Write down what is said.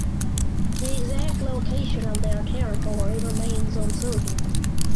The exact location of their territory remains uncertain.